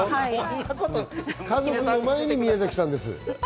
家族の前に宮崎さんです。